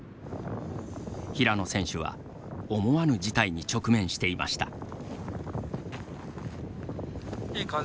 平野選手は思わぬ事態に直面していました。